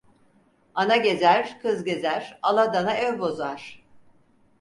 Ana gezer, kız gezer, ala dana ev bozar.